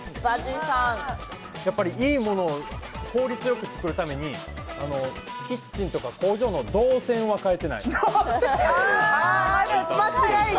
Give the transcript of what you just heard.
いいものを効率よく作るためにキッチンとか工場の動線は変えてない。